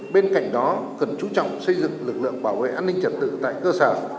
bên cạnh đó cần chú trọng xây dựng lực lượng bảo vệ an ninh trật tự tại cơ sở